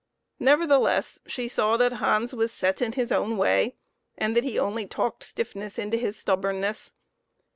Nevertheless, she saw that Hans was set in his own way, and that he only talked stiffness into his stubbornness.